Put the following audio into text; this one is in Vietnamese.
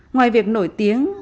ngoài việc nổi tiếng